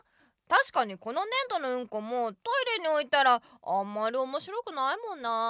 たしかにこのねん土のウンコもトイレにおいたらあんまりおもしろくないもんなあ。